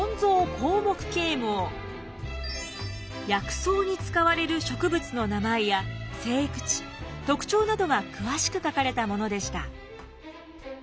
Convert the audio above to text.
薬草に使われる植物の名前や生育地特徴などが詳しく書かれたものでした。